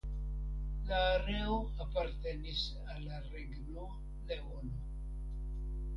La areo apartenis al la Regno Leono.